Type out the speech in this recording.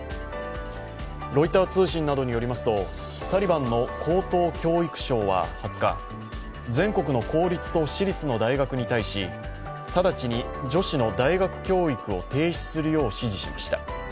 ロイター通信などによりますとタリバンの高等教育省は２０日全国の公立と私立の大学に対し直ちに女子の大学教育を停止するよう指示しました。